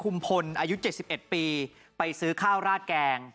คุมภนอายุเจ็ดสิบเอ็ดปีไปซื้อข้าวราดแกง